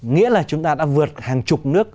nghĩa là chúng ta đã vượt hàng chục nước